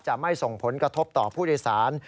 ไม่ส่งผลกระทบต่อผู้โดยสาร